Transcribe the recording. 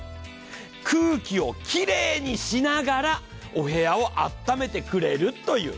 空気をきれいにしながらお部屋をあっためてくれるという。